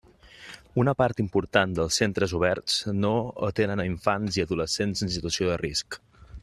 Una part important dels centres oberts no atenen a infants i adolescents en situació de risc.